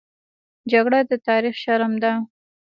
جګړه د تاریخ شرم ده